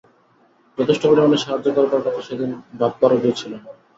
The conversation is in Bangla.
যথেষ্ট পরিমাণে সাহায্য করবার কথা সেদিন ভাববারও জো ছিল না।